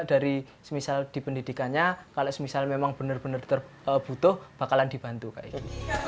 jadi semisal di pendidikannya kalau semisal memang benar benar terbutuh bakalan dibantu kayak gitu